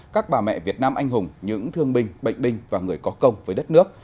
các bà mẹ việt nam anh hùng những thương binh bệnh binh và người có công với đất nước